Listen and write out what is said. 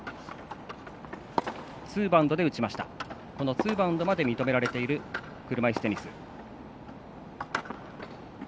ツーバウンドまで認められている車いすテニス。